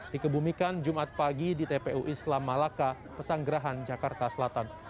dikebumikan jumat pagi di tpu islam malaka pesanggerahan jakarta selatan